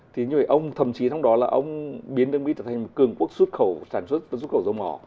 thì ông thậm chí trong đó là ông biến nước mỹ trở thành một cường quốc xuất khẩu sản xuất và xuất khẩu dầu mỏ